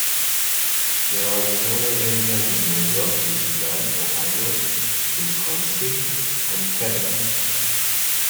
There are smaller areas in New York, Michigan, Ohio, Wisconsin and Quebec.